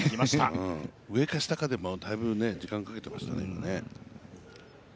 上か下かで、だいぶ時間かけていましたね。